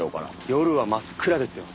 夜は真っ暗ですよ。